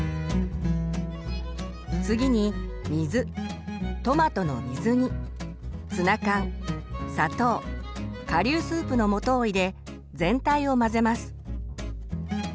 次に水トマトの水煮ツナ缶砂糖顆粒スープの素を入れ全体を混ぜます。